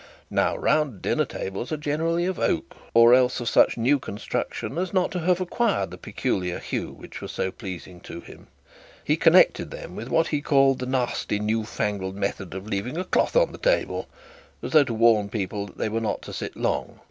Now round dinner tables are generally of oak, or else of such new construction as not to have acquired the peculiar hue which was so pleasing to him. He connected them with what he called the nasty new fangled method of leaving cloth on the table, as though to warn people that they were not to sit long.